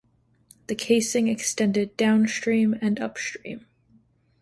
The casing extended downstream and upstream.